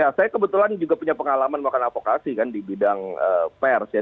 ya saya kebetulan juga punya pengalaman melakukan avokasi kan di bidang pers ya